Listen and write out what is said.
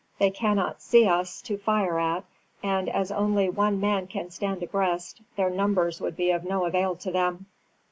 They cannot see us to fire at, and as only one man can stand abreast, their numbers would be of no avail to them."